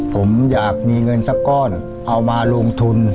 ผมอยากมีเงินสักก้อนเอามาลงทุน